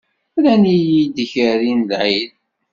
Rran-iyi d ikerri n lɛid!